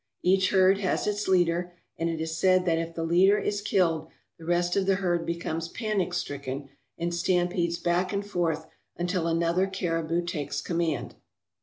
Each herd has its leader, and it is said that if the leader is killed, the rest of the herd becomes panic stricken and stampedes back and forth until another caribou takes command.